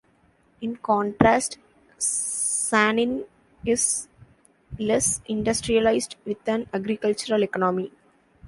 In contrast, San'in is less industrialized with an agricultural economy.